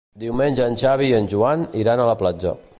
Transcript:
Diumenge en Xavi i en Joan iran a la platja.